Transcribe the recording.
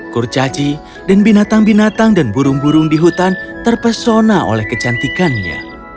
kurcaci dan binatang binatang dan burung burung di hutan terpesona oleh kecantikannya